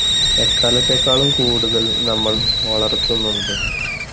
എക്കാലത്തേക്കാളും കൂടുതല് നമ്മള് വളര്ത്തുന്നുന്നുണ്ട്